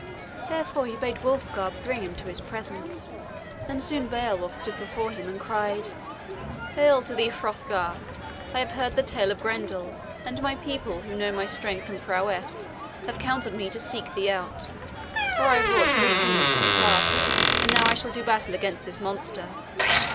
Therefore he bade Wulfgar bring him to his presence, and soon Beowulf stood before him and cried: "Hail to thee, Hrothgar! I have heard the tale of Grendel, and my people, who know my strength and prowess, have counseled me to seek thee out. For I have wrought great deeds in the past, and now I shall do battle against this monster.